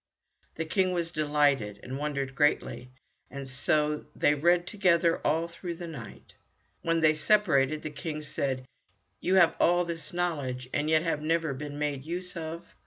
The King was delighted and wondered greatly, and so they read together all through the night. When they separated the King said, "You have all this knowledge and yet have never been made use of?